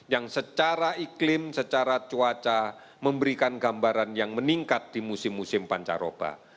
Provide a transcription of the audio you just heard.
yang secara iklim secara cuaca memberikan gambaran yang meningkat di musim musim pancaroba